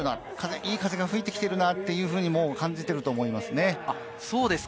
いい風が吹いてきていると感じていると思います。